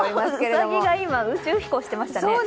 うさぎが今、宇宙飛行していましたね。